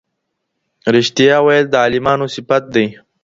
ریښتیا ویل د عالمانو صفت دی.